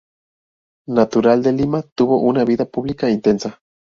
Natural de Lima, tuvo una vida pública intensa.